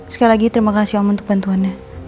sekali lagi terima kasih om untuk bantuannya